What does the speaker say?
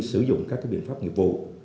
sử dụng các biện pháp nghiệp vụ